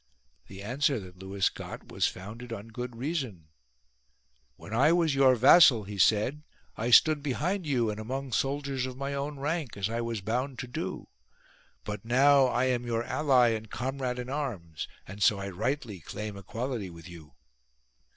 The answer that Lewis got was founded on good reason :" When I was your vassal," he said, " I stood behind you and among soldiers of my own rank, as I was bound to do : but now I am your ally and comrade in arms, and so I rightly claim equality with you."